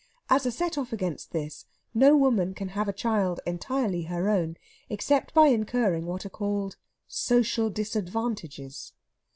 As a set off against this, no woman can have a child entirely her own except by incurring what are called "social disadvantages."